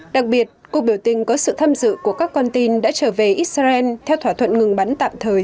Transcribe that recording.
đặc biệt cuộc biểu tình có sự tham dự của các con tin đã trở về israel theo thỏa thuận ngừng bắn tạm thời